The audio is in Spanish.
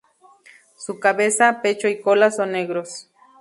Su cabeza, pecho y cola son negros.